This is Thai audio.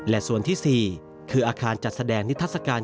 และส่วนที่๔คืออาคารจัดแสดงนิทัศกาล